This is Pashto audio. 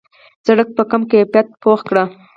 سړک په کم کیفیت پخ کړي.